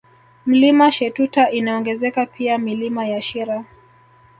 Mlima Shetuta inaongezeka pia Milima ya Shira